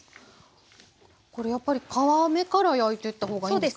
これやっぱり皮目から焼いていった方がいいんですか？